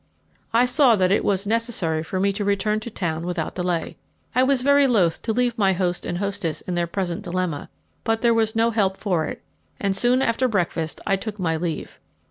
I saw that it was necessary for me to return to town without delay. I was very loth to leave my host and hostess in their present dilemma, but there was no help for it, and soon after breakfast I took my leave.